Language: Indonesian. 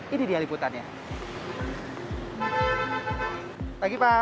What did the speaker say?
ini dia liputannya